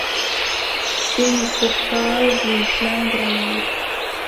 Il ne faut pas vous plaindre alors.